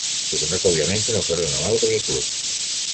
Su contrato obviamente no fue renovado por el club.